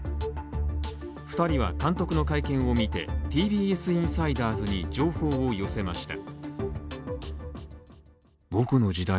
２人は監督の会見を見てＴＢＳインサイダーズに情報を寄せました。